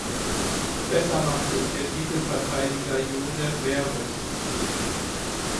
Besser machte es der Titelverteidiger Joseph Vervest.